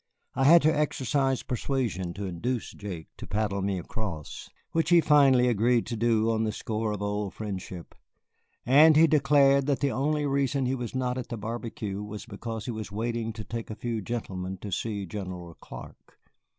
I had to exercise persuasion to induce Jake to paddle me across, which he finally agreed to do on the score of old friendship, and he declared that the only reason he was not at the barbecue was because he was waiting to take a few gentlemen to see General Clark.